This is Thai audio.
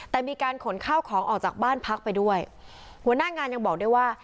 แต่มีการขนข้าวของออกจากบ้านพักไปด้วยหัวหน้างานยังบอกด้วยว่า